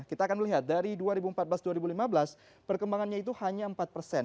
kita akan melihat dari dua ribu empat belas dua ribu lima belas perkembangannya itu hanya empat persen